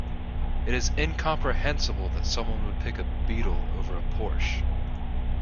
It is incomprehensible that someone would pick a Beetle over a Porsche.